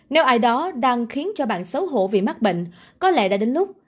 nếu ai đó đang khiến cho bạn xấu hổ vì mắc bệnh có lẽ đã đến lúc